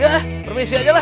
ya permisi aja lah